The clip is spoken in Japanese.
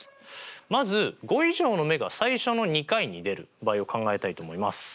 まず５以上の目が最初の２回に出る場合を考えたいと思います。